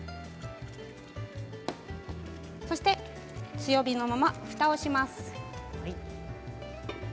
そして強火のまま、ふたをします。